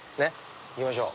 行きましょう。